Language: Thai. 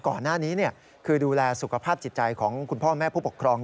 ก่อนหน้านี้คือดูแลสุขภาพจิตใจของคุณพ่อแม่ผู้ปกครอง